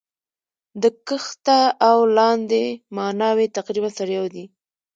د کښته او لاندي ماناوي تقريباً سره يو دي.